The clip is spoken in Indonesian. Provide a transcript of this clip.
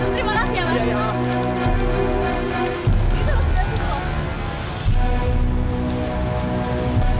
mobil saya sudah jadi tolong didorong ya mas